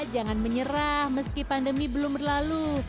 jangan menyerah meski pandemi belum berlalu